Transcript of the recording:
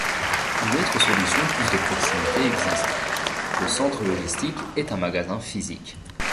Une autre solution plus de proximité existe, le centre logistique est un magasin physique.